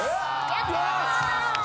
やった！